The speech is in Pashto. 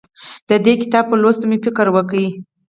د دې کتاب په لوستو مې فکر وکړ.